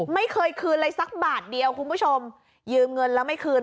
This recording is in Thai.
ไม่เคยคืนเลยสักบาทเดียวคุณผู้ชมยืมเงินแล้วไม่คืน